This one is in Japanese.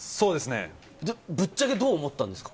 ぶっちゃけどう思ったんですか？